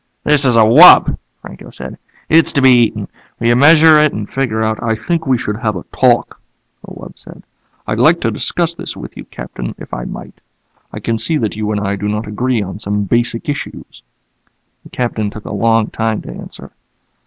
"This is a wub," Franco said. "It's to be eaten. Will you measure it and figure out " "I think we should have a talk," the wub said. "I'd like to discuss this with you, Captain, if I might. I can see that you and I do not agree on some basic issues." The Captain took a long time to answer.